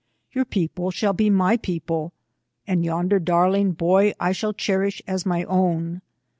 Your people shall be my people, and yonder dar ling boy I shall cherish as my own.